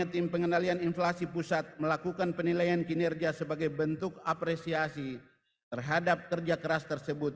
tim pengendalian inflasi pusat melakukan penilaian kinerja sebagai bentuk apresiasi terhadap kerja keras tersebut